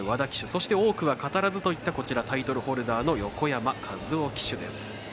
そして、多くは語らずといったこちらタイトルホルダーの横山和生騎手です。